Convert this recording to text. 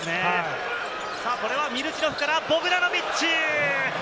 これはミルチノフからボグダノビッチ！